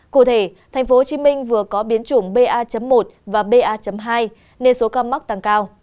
cụ thể tp hcm vừa có biến chủng ba một và ba hai nên số ca mắc tăng cao